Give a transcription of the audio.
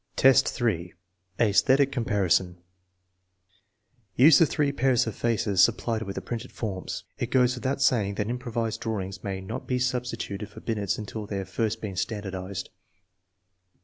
V, 3. Esthetic comparison Use the three pairs of faces supplied with the printed forms. It goes without saying that improvised drawings may not be substituted for Binet's until they have first been standardized.